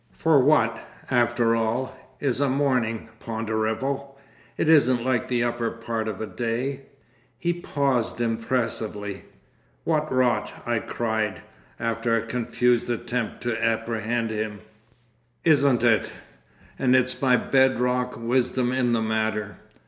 For what, after all, is a morning, Ponderevo? It isn't like the upper part of a day!" He paused impressively. "What Rot!" I cried, after a confused attempt to apprehend him. "Isn't it! And it's my bedrock wisdom in the matter!